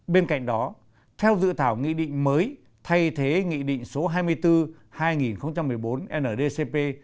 bên cạnh đó theo dự thảo nghị định mới thay thế nghị định số hai mươi bốn hai nghìn một mươi bốn ndcp